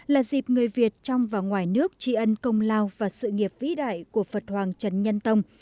là dịp người việt trong và ngoài nước tri ân công lao và sự nghiệp vĩ đại của phật hoàng trần nhân tông